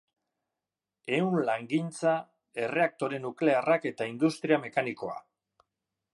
Ehun-langintza, erreaktore nuklearrak eta industria mekanikoa.